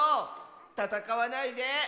たたかわないで。